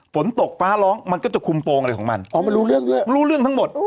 ฝนตกฟ้าร้องมันก็จะคุมโปรงอะไรของมันอ๋อมันรู้เรื่องด้วยรู้เรื่องทั้งหมด